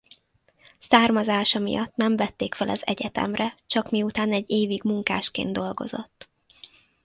Származása miatt nem vették fel az egyetemre csak miután egy évig munkásként dolgozott.